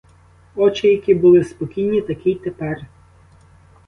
Очі, які були спокійні, такі й тепер.